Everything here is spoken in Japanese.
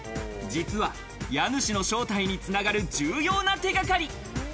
実は家主の正体に繋がる、重要な手掛かり。